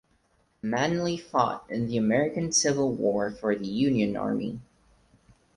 Manly fought in the American Civil War for the Union Army.